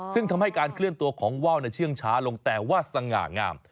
ซึ่งทำให้การเคลื่อนตัวของว่าวเชื่องช้าลงแต่ว่าสง่างาม